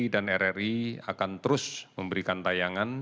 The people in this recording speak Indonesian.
dan rri akan terus memberikan tayangan